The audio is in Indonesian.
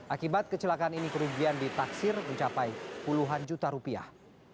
akibat kecelakaan ini kerugian ditaksir mencapai puluhan juta rupiah